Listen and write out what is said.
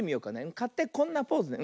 かってこんなポーズだよ。